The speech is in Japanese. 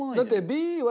Ｂは。